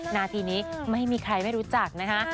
นาทีนี้ไม่มีใครไม่รู้จักนะคะ